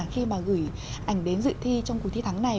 khi mà gửi ảnh đến dự thi trong cuộc thi tháng này